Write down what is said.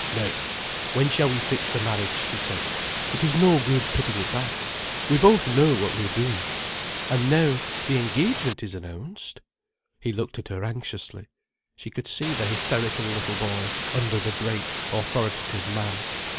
"Now when shall we fix the marriage?" he said. "It is no good putting it back. We both know what we are doing. And now the engagement is announced—" He looked at her anxiously. She could see the hysterical little boy under the great, authoritative man.